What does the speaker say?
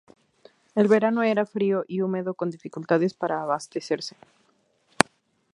El verano era frío y húmedo, con dificultades para abastecerse.